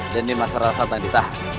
dan di masalah satan kita